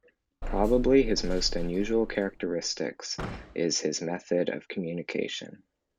Probably his most unusual characteristic is his method of communication.